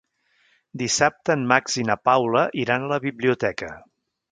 Dissabte en Max i na Paula iran a la biblioteca.